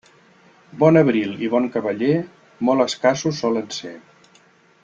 Bon abril i bon cavaller, molt escassos solen ser.